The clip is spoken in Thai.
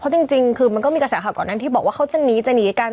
จริงคือมันก็มีกระแสข่าวก่อนนั้นที่บอกว่าเขาจะหนีจะหนีกัน